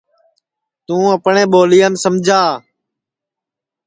توں اپٹؔے ٻولیام سمجا